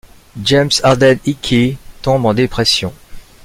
James Harden-Hickey tombe en dépression.